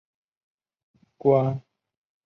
关税对经济的影响对不同国家不同。